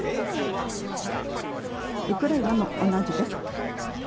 ウクライナも同じです。